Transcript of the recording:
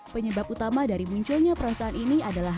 penyebab utama dari munculnya perasaan ini adalah